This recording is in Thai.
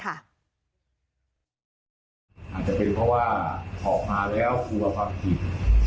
อาจจะเป็นเพราะว่าออกมาแล้วกลัวความผิด